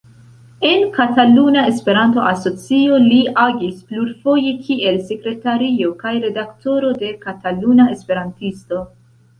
En Kataluna Esperanto-Asocio li agis plurfoje kiel sekretario kaj redaktoro de "Kataluna Esperantisto".